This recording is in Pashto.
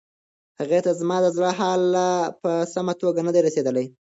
هغې ته زما د زړه حال لا په سمه توګه نه دی رسیدلی.